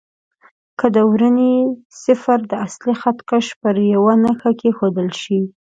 که د ورنيې صفر د اصلي خط کش پر یوه نښه کېښودل شي.